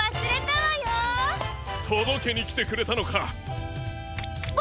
とどけにきてくれたのか！